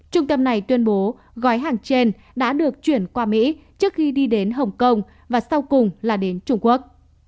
trung tâm này tuyên bố gói hàng trên đã được chuyển qua mỹ trước khi đi đến hồng kông và sau cùng là đến trung quốc